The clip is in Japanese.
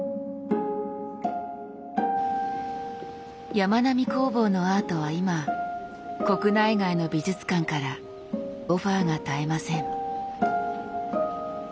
やまなみ工房のアートは今国内外の美術館からオファーが絶えません。